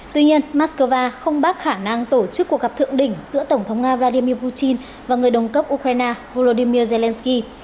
tuy nhiên moscow không bác khả năng tổ chức cuộc gặp thượng đỉnh giữa tổng thống nga vladimir putin và người đồng cấp ukraine volodymyr zelensky